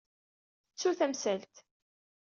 Ttu tamsalt.